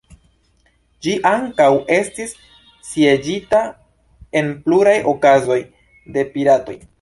Ĝi ankaŭ estis sieĝita, en pluraj okazoj, de piratoj.